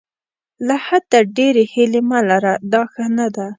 له حده ډېرې هیلې مه لره دا ښه نه ده.